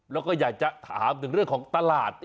แล้วก็อยากจะถามถึงเรื่องของตลาด